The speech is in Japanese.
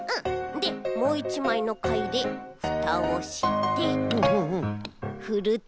でもういちまいのかいでふたをしてふると。